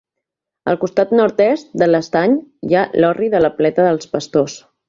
Al costat nord-oest de l'estany hi ha l'Orri de la Pleta dels Pastors.